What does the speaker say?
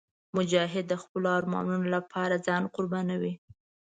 مجاهد د خپلو ارمانونو لپاره ځان قربانوي.